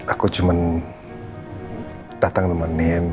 aku cuman dateng nemenin